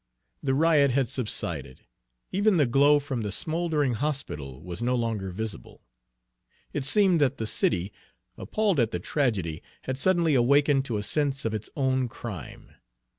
The riot had subsided; even the glow from the smouldering hospital was no longer visible. It seemed that the city, appalled at the tragedy, had suddenly awakened to a sense of its own crime.